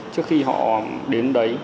trước khi họ đến đấy